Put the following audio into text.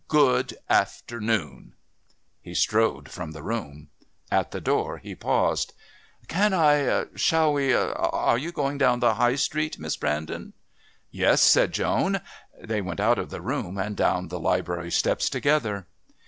Good afternoon." He strode from the room. At the door he paused. "Can I Shall we Are you going down the High Street, Miss Brandon?" "Yes," said Joan. They went out of the room and down the Library steps together.